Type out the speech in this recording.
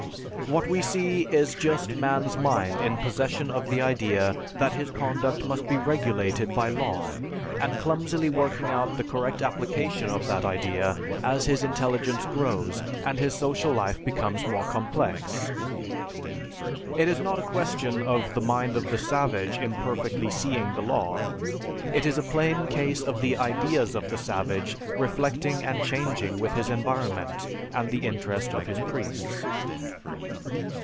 What we see is just man's mind in possession of the idea that his conduct must be regulated by law, and clumsily working out the correct application of that idea as his intelligence grows and his social life becomes more complex. It is not a question of the mind of the savage imperfectly seeing the law. It is a plain case of the ideas of the savage reflecting and changing with his environment and the interest of his priests."